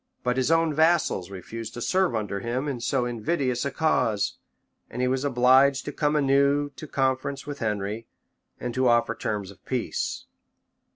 But his own vassals refused to serve under him in so invidious a cause; and he was obliged to come anew to a conference with Henry, and to offer terms of peace.